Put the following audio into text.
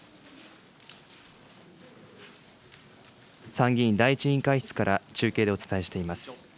参議院第１委員会室から中継でお伝えしています。